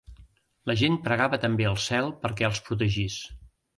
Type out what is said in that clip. La gent pregava també al cel perquè els protegís.